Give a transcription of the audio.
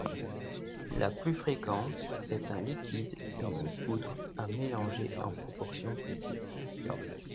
La plus fréquente est un liquide et une poudre à mélanger en proportions précises.